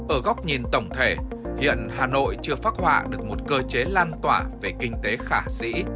ở góc nhìn tổng thể hiện hà nội chưa phác họa được một cơ chế lan tỏa về kinh tế khả sĩ